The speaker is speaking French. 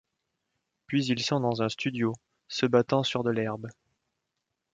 Puis ils sont dans un studio, se battant sur de l'herbe.